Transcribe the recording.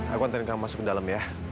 aku anterin kamu masuk ke dalam ya